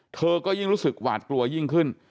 เธอก็ยิ่งรู้สึกหวาดกลัวยิ่งขึ้น